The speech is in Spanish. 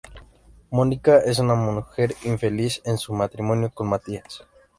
Mónica es una mujer infeliz en su matrimonio con Matías.